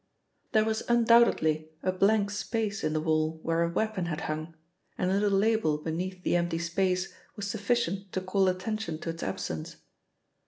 There was undoubtedly a blank space in the wall where a weapon had hung, and a little label beneath the empty space was sufficient to call attention to its absence.